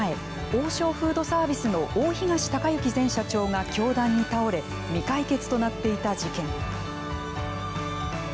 王将フードサービスの大東隆行前社長が凶弾に倒れ未解決となっていた事件。